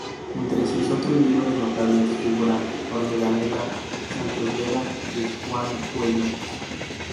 Entre sus otros libros notables figuran "Hormiga Negra", "Santos Vega" y "Juan Cuello".